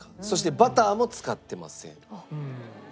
そしてバターも使ってませんと。